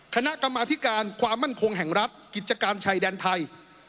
คณะกรรมธิการความมั่นคงแห่งรัฐกิจการชายแดนไทย